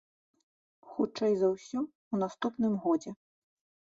Хутчэй за ўсё, у наступным годзе.